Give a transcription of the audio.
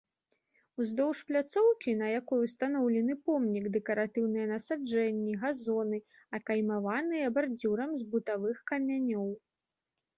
Уздоўж пляцоўкі, на якой устаноўлены помнік, дэкаратыўныя насаджэнні, газоны, акаймаваныя бардзюрам з бутавых камянёў.